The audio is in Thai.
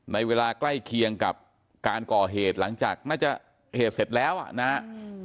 ในเวลาใกล้เคียงกับการก่อเหตุหลังจากน่าจะเหตุเสร็จแล้วอ่ะนะฮะ